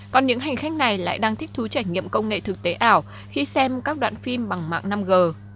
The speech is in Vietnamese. còn những hành khách này lại đang thích thú trải nghiệm công nghệ thực tế ảo khi xem các đoạn phim bằng mạng năm g